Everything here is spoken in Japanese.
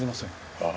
ああ。